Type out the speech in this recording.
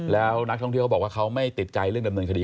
แล้วนักท่องเที่ยวเขาบอกว่าเขาไม่ติดใจเรื่องดำเนินคดี